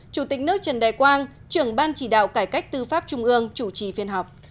chủ tịch nước trần đại quang trưởng ban chỉ đạo cải cách tư pháp trung ương chủ trì phiên họp